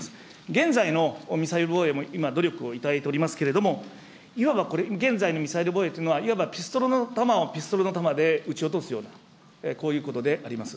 現在のミサイル防衛も今、努力をいただいておりますけれども、いわばこれ、現在のミサイル攻撃というのはいわば、ピストルの弾をピストルの弾で撃ち落とすような、こういうことであります。